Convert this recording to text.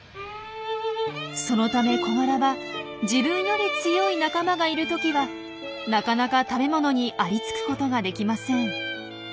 そのためコガラは自分より強い仲間がいるときはなかなか食べ物にありつくことができません。